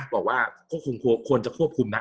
บอกว่าควรจะควบคุมนะ